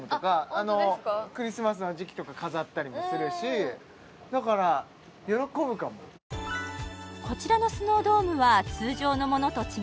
クリスマスの時期とか飾ったりもするしだから喜ぶかもこちらのスノードームは通常のものと違い